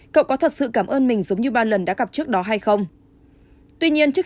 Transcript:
cậu có thật sự cảm ơn mình giống như ba lần đã gặp trước đó hay không